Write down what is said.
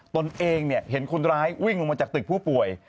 ตนเองเห็นคนร้ายวิ่งลงมาจากตึกผู้ป่วย